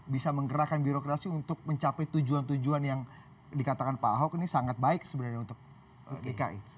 bisa menggerakkan birokrasi untuk mencapai tujuan tujuan yang dikatakan pak ahok ini sangat baik sebenarnya untuk dki